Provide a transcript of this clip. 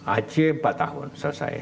aceh empat tahun selesai